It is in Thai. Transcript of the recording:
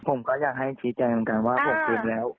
ผมก็อยากให้ชี้แจงเหมือนกันว่าผมคืนแล้ว